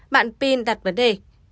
bạn pin đặt vấn đề